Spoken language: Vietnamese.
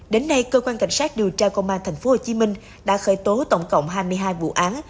đến nay cơ quan cảnh sát điều tra công an tp hcm đã khởi tố tổng cộng hai mươi hai vụ án